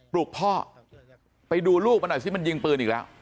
ปลุกพ่อไปดูลูกมาหน่อยสิมันยิงปืนอีกแล้ว